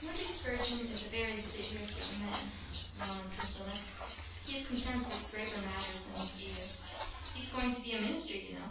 "Moody Spurgeon is a very serious young man," yawned Priscilla. "He is concerned with graver matters than his ears. He is going to be a minister, you know."